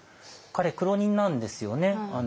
彼苦労人なんですよね。